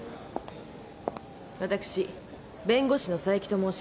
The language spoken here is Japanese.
私弁護士の佐伯と申します。